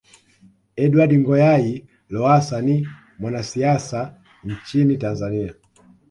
Edward Ngoyayi Lowassa ni mwanasiasa nchini Tanzania